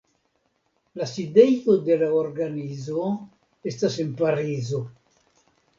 La sidejo de la organizo estas en Parizo.